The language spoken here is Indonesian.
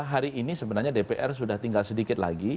hari ini sebenarnya dpr sudah tinggal sedikit lagi